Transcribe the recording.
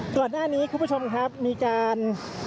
ก่อนหน้านี้คุณผู้ชมครับมีการ